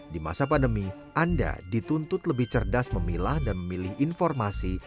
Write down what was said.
di masa pandemi anda dituntut lebih cerdas memilah dan memilih informasi